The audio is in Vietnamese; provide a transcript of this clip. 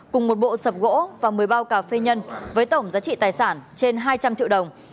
cùng một bộ sập gỗ và một mươi bao cà phê nhân với tổng giá trị tài sản trên hai trăm linh triệu đồng